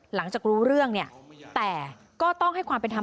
หลังจากรู้เรื่องเนี่ยแต่ก็ต้องให้ความเป็นธรรม